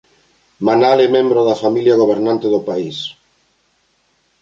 Manal é membro da familia gobernante do país.